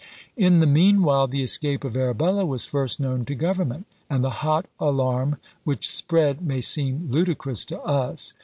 In the meanwhile, the escape of Arabella was first known to government; and the hot alarm which spread may seem ludicrous to us.